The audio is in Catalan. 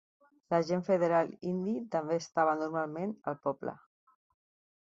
L'agent federal indi també estava normalment al poble.